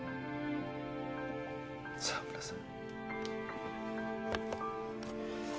澤村さん。